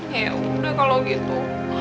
ya udah kalau gitu